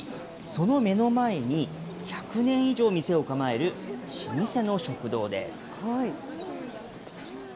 その目の前に１００年以上店を構える老舗の食堂です。